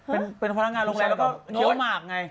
เป็นพนักงานโรงแรมแล้วก็เคี้ยวหมากไง